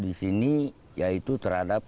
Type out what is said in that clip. disini yaitu terhadap